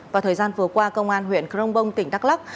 và thời gian vừa qua công an huyện crongbong tỉnh đắk lắc